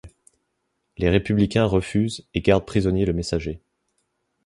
Les Républicains refusent et gardent prisonnier le messager.